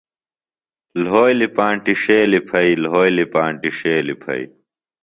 لھولیۡ پانٹیۡ ݜیلیۡ پھئیۡ لھولیۡ پانٹیۡ ݜیلیۡ پھئیۡ۔